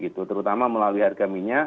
terutama melalui harga minyak